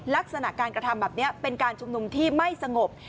ลักษณะการกระทำแบบนี้เป็นการชุมนุมที่ไม่สงบ